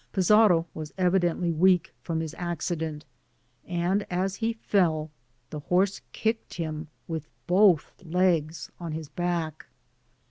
Fizarro was evidently weak from his accident, and, as he fell, the horse kicked him with both legs on his back.